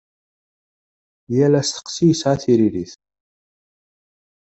Yal asteqsi yesɛa tiririt.